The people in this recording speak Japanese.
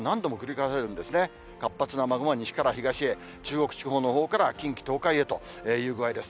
活発な雨雲が西から東へ、中国地方のほうから近畿、東海へという具合です。